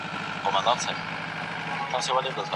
ټکنالوژي معلومات زېرمه خوندي ساتي.